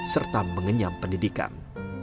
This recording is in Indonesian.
serta mengenyam pendidikan